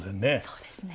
そうですね。